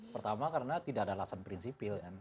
pertama karena tidak ada alasan prinsipil